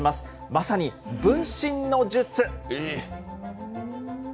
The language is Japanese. まさに分身の術。